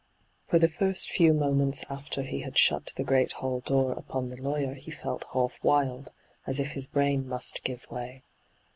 For the £rst few moments after he had shut the great hall door upon the lawyer he felt half wild, as if his brain must give way.